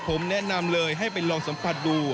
ผมแนะนำเลยให้ไปลองสัมผัสดู